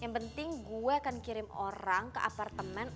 yang penting gue akan kirim orang ke apartemen